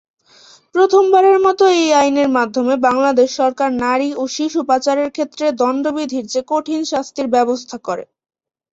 প্রথমবারের মতো এই আইনের মাধ্যমে বাংলাদেশ সরকার নারী ও শিশু পাচারের ক্ষেত্রে দণ্ডবিধির চেয়ে কঠিন শাস্তির ব্যবস্থা করে।